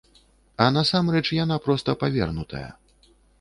А насамрэч яна проста павернутая!